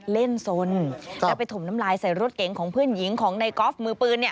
เล่นสนแล้วไปถมน้ำลายใส่รถเก๋งของเพื่อนหญิงของในกอล์ฟมือปืนเนี่ย